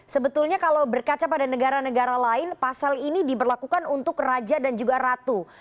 sebetulnya kalau berkaca pada negara negara lain pasal ini diberlakukan untuk raja dan juga ratu